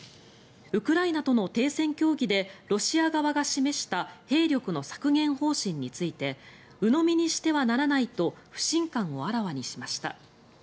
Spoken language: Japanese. ウクライナとの停戦協議でロシア側が示した兵力の削減方針についてうのみにしてはならないと不信感をあらわにしました。